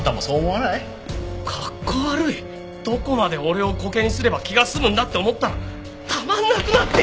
どこまで俺をコケにすれば気が済むんだって思ったらたまんなくなって。